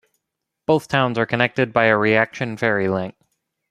Both towns are connected by a reaction ferry link.